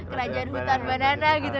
kerajaan hutan banana gitu